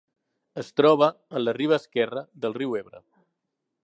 Es troba en la riba esquerra del riu Ebre.